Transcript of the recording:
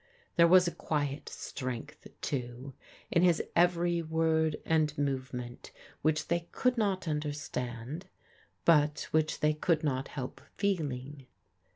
There was a quiet strength, too, in his every word and movement which they could not understand, but which they could not help feeling.